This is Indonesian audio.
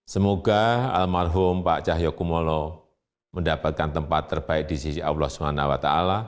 semoga almarhum pak cahyokumolo mendapatkan tempat terbaik di sisi allah swt